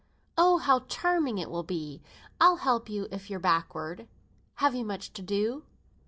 "Oh, how charming it will be. I'll help you if you're backward. Have you much to do?"